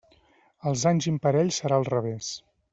Els anys imparells serà al revés.